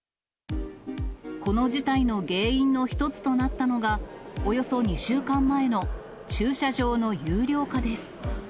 この事態の原因の一つとなったのが、およそ２週間前の駐車場の有料化です。